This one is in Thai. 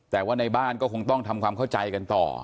แต่ว่าในบ้านก็คงต้องทำความเข้าใจกันต่อ